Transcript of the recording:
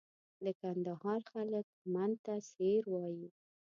د کندهار خلک من ته سېر وایي.